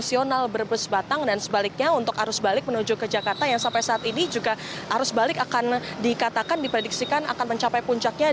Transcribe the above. saat ini juga arus balik akan dikatakan diprediksikan akan mencapai puncaknya